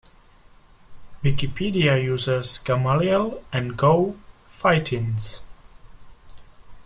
Wikipedia users Gamaliel and Go Phightins!